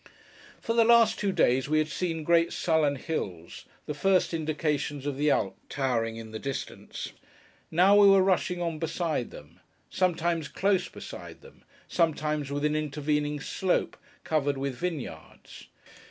For the last two days, we had seen great sullen hills, the first indications of the Alps, lowering in the distance. Now, we were rushing on beside them: sometimes close beside them: sometimes with an intervening slope, covered with vineyards.